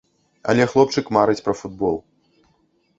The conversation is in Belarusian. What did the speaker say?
Але хлопчык марыць пра футбол.